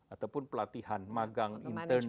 ataupun pelatihan magang intern dan yang lain